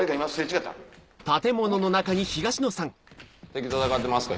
敵と戦ってますか？